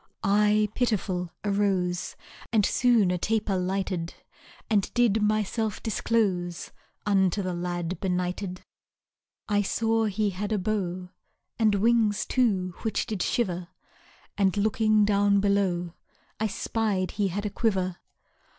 I pitiful arose, And soon a taper lighted; And did myself disclose Unto the lad benighted. I saw he had a bow And wings, too, which did shiver; And, looking down below, I spied he had a quiver.